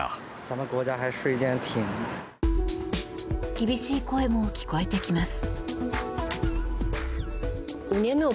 厳しい声も聞こえてきます。